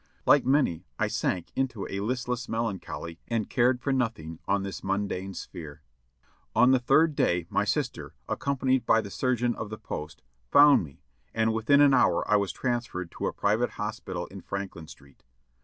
Like many, I sank into a listless melancholy and cared for nothing on this mundane sphere. On the third day my sister, accompanied by the surgeon of the post, found me, and within an hour I was transferred to a private hospital in Franklin Street.